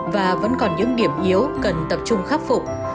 và vẫn còn những điểm yếu cần tập trung khắc phục